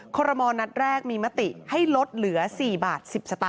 คอรมณ์นัดแรกมีมติให้ลดเหลือ๔บาท๑๐สตาง